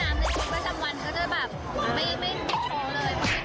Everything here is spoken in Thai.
อยู่กี๊ใครชมว่าตรงนี้ซิคกี้จัง